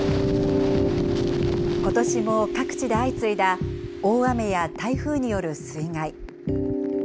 ことしも各地で相次いだ大雨や台風による水害。